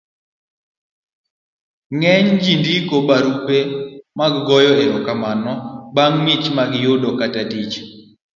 ng'eny ji ndiko barupe mag goyo erokamano bang' mich ma giyudo kata tich